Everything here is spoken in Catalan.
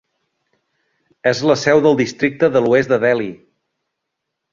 És la seu del districte de l'oest de Dehli.